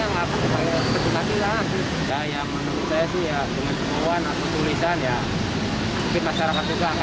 gimana ya mengerikan sih